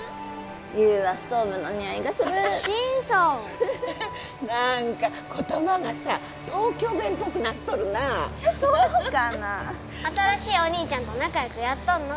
優はストーブのにおいがするしんさ何か言葉がさ東京弁っぽくなっとるなそうかな新しいお兄ちゃんと仲良くやっとんの？